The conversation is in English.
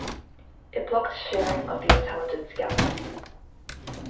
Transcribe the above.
It blocked sharing of the intelligence gathered.